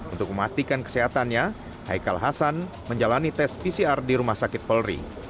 untuk memastikan kesehatannya haikal hasan menjalani tes pcr di rumah sakit polri